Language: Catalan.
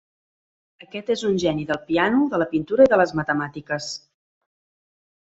Aquest és un geni del piano, de la pintura i de les matemàtiques.